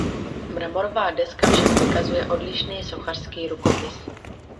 Mramorová deska však vykazuje odlišný sochařský rukopis.